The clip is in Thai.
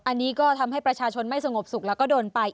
อันนี้ก็ทำให้ประชาชนไม่สงบสุขแล้วก็โดนไป